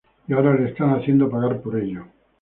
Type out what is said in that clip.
Y ahora le están haciendo pagar por ello.